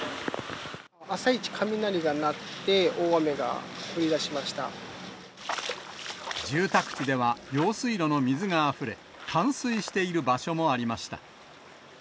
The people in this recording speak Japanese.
朝一、雷が鳴って、大雨が降住宅地では、用水路の水があふれ、冠水している場所もありました。